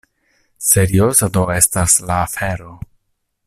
Serioza do estas la afero!